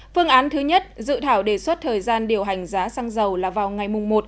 phương án thứ nhất dự thảo đề xuất thời gian điều hành giá xăng dầu là vào ngày một